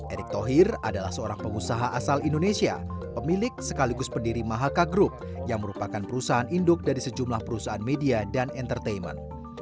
erick thohir adalah seorang pengusaha asal indonesia pemilik sekaligus pendiri mahaka group yang merupakan perusahaan induk dari sejumlah perusahaan media dan entertainment